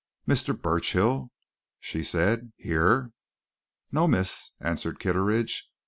"Mr. Burchill?" she said. "Here?" "No, miss," answered Kitteridge.